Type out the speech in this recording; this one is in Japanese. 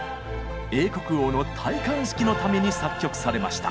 英国王の戴冠式のために作曲されました。